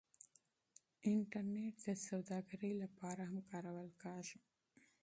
انټرنیټ د سوداګرۍ لپاره هم کارول کیږي.